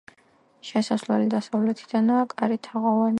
შესასვლელი დასავლეთიდანაა, კარი თაღოვანია.